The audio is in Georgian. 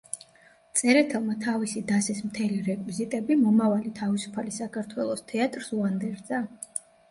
წერეთელმა თავისი დასის მთელი რეკვიზიტები „მომავალი თავისუფალი საქართველოს თეატრს“ უანდერძა.